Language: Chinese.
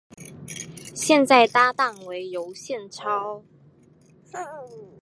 现在搭档为尤宪超。